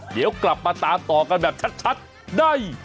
เดี๋ยวกลับมาตามต่อกันแบบชัดได้